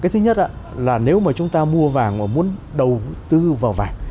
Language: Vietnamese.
thứ nhất nếu chúng ta mua vàng và muốn đầu tư vào vàng